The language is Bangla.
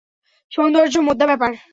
সৌন্দর্য্যই মোদ্দা ব্যাপার।